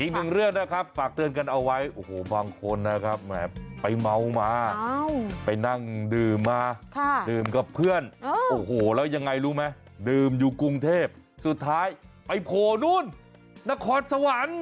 อีกหนึ่งเรื่องนะครับฝากเตือนกันเอาไว้โอ้โหบางคนนะครับไปเมามาไปนั่งดื่มมาดื่มกับเพื่อนโอ้โหแล้วยังไงรู้ไหมดื่มอยู่กรุงเทพสุดท้ายไปโผล่นู่นนครสวรรค์